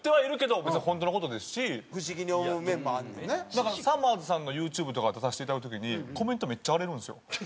だからさまぁずさんのＹｏｕＴｕｂｅとか出させていただく時にコメントめっちゃ荒れるんですよ。